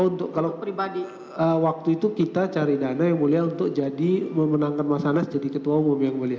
untuk kalau pribadi waktu itu kita cari dana yang mulia untuk jadi memenangkan mas anas jadi ketua umum yang mulia